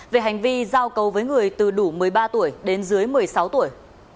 về hành vi giao cầu với người từ đủ một mươi ba tuổi đến dưới một mươi sáu tuổi